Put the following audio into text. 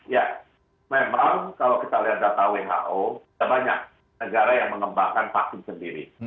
ya memang kalau kita lihat data who sudah banyak negara yang mengembangkan vaksin sendiri